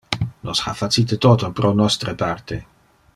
Nos ha facite toto pro nostre parte.